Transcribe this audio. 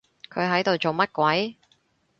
佢喺度做乜鬼？